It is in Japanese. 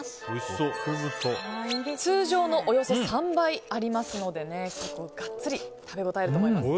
通常のおよそ３倍ありますので結構、ガッツリ食べ応えがあると思います。